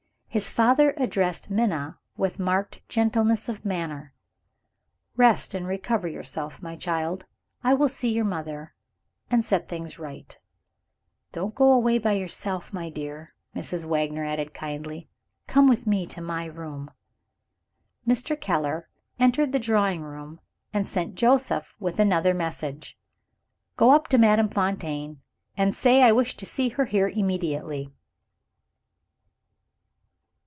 His father addressed Minna with marked gentleness of manner. "Rest and recover yourself, my child. I will see your mother, and set things right." "Don't go away by yourself, my dear," Mrs. Wagner added kindly; "come with me to my room." Mr. Keller entered the drawing room, and sent Joseph with another message. "Go up to Madame Fontaine, and say I wish to see her here immediately."